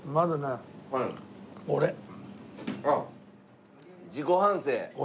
あっ自己反省？俺。